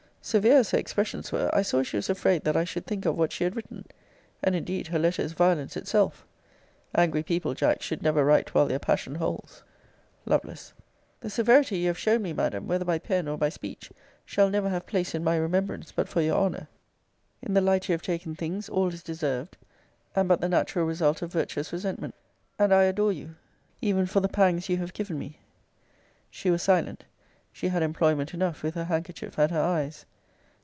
Severe as her expressions were, I saw she was afraid that I should think of what she had written. And, indeed, her letter is violence itself. Angry people, Jack, should never write while their passion holds. Lovel. The severity you have shown me, Madam, whether by pen or by speech, shall never have place in my remembrance, but for your honor. In the light you have taken things, all is deserved, and but the natural result of virtuous resentment; and I adore you, even for the pangs you have given me. She was silent. She had employment enough with her handkerchief at her eyes.